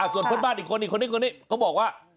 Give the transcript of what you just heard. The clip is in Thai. ส่วนเพื่อนบ้านอีกคนอีกคนนึงคนนี้เขาบอกว่า